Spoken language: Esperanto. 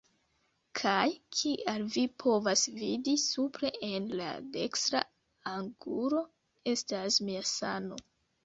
Kaj kial vi povas vidi, supre en la dekstra angulo estas mia sano